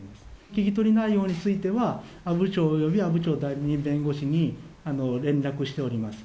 聞き取り内容については、阿武町および阿武町代理人弁護士に連絡しております。